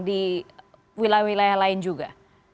di wilayah wilayah lain juga